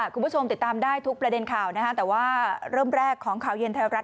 คุณผู้ชมติดตามได้ทุกประเด็นข่าวนะฮะแต่ว่าเริ่มแรกของข่าวเย็นไทยรัฐ